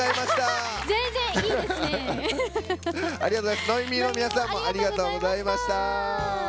ノイミーの皆さんもありがとうございました。